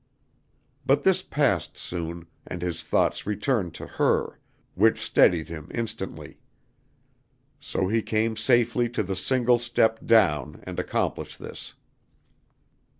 But this passed soon, and his thoughts returned to her, which steadied him instantly. So he came safely to the single step down and accomplished this.